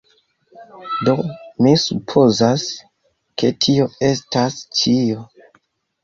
Do, mi supozas, ke tio estas ĉio